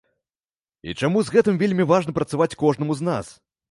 І чаму з гэтым вельмі важна працаваць кожнаму з нас?